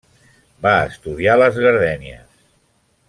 Va estudiar les gardènies.